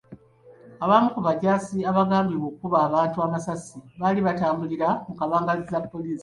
Abamu ku bajaasi abagambibwa okukuba abantu amasasi baali batambulira mu kabangali za poliisi .